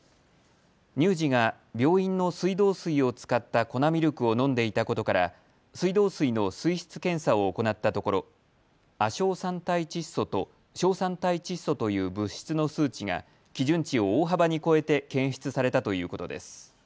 乳児が病院の水道水を使った粉ミルクを飲んでいたことから水道水の水質検査を行ったところ亜硝酸態窒素と硝酸態窒素という物質の数値が基準値を大幅に超えて検出されたということです。